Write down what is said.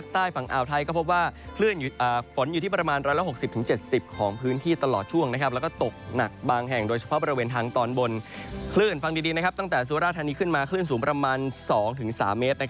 ตั้งแต่สุราธารณีขึ้นมาคลื่นสูงประมาณ๒๓เมตร